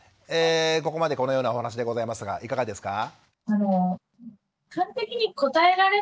ここまでこのようなお話でございますがいかがですか？